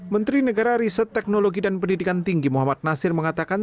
menteri negara riset teknologi dan pendidikan tinggi muhammad nasir mengatakan